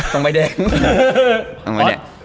ตรงไบแดง